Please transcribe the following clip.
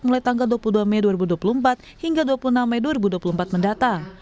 mulai tanggal dua puluh dua mei dua ribu dua puluh empat hingga dua puluh enam mei dua ribu dua puluh empat mendatang